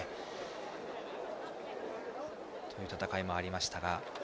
そういう戦いもありました。